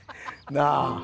なあ？